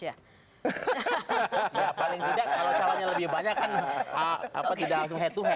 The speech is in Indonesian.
ya paling tidak kalau calon yang lebih banyak kan tidak langsung head to head